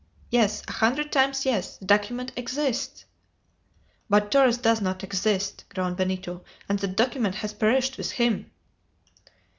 Yes! a hundred times, yes! The document exists!" "But Torres does not exist!" groaned Benito, "and the document has perished with him!"